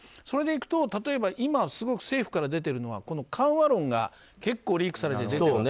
それでいくと今すごく政府から出ているのは緩和論が結構リークされている。